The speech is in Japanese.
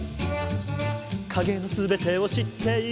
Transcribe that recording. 「影の全てを知っている」